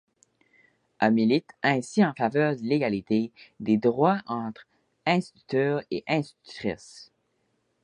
Elle milite ainsi en faveur de l'égalité des droits entre instituteurs et institutrices.